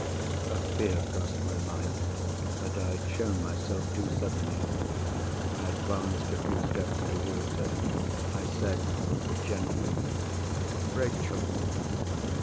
A fear crossed my mind that I had shown myself too suddenly. I advanced a few steps towards her. I said gently, "Rachel!"